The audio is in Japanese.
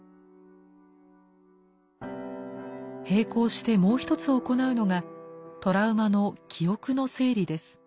並行してもう一つ行うのがトラウマの記憶の整理です。